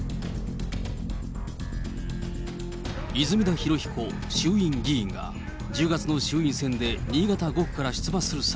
泉田裕彦衆議院議員が、１０月の衆院選で新潟５区から出馬する際、